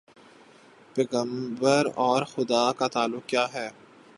پیغمبر اور خدا کا تعلق کیا ہے؟